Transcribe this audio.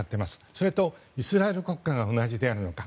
それとイスラエル国家が同じであるのか。